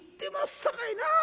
さかいな